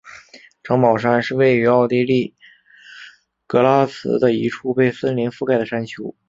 城堡山是位于奥地利格拉兹的一处被森林覆盖的山丘。